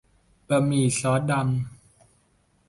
บะหมี่ซอสดำ